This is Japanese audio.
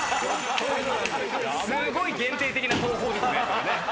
すごい限定的な投法ですねこれね。